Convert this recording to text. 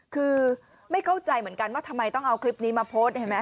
คือไม่เข้าใจเหมือนกันว่าทำไมต้องเอาคลิปนี้มาโพสต์เห็นไหม